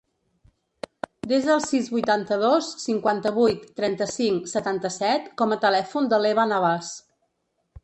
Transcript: Desa el sis, vuitanta-dos, cinquanta-vuit, trenta-cinc, setanta-set com a telèfon de l'Evan Abbas.